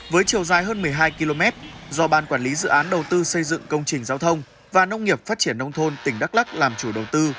với chiều dài hơn một mươi hai km do ban quản lý dự án đầu tư xây dựng công trình giao thông và nông nghiệp phát triển nông thôn tỉnh đắk lắc làm chủ đầu tư